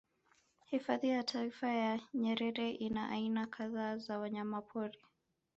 Hifadhi ya Taifa ya Nyerere ina aina kadhaa za wanyamapori